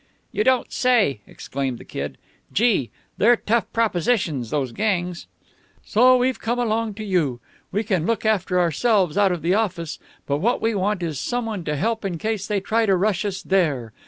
"You don't say!" exclaimed the Kid. "Gee! They're tough propositions, those gangs." "So we've come along to you. We can look after ourselves out of the office, but what we want is someone to help in case they try to rush us there.